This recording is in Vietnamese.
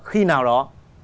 khi nào đó